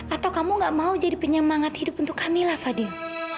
atau kamu nggak mau jadi penyemangat hidup untuk kamilah fadil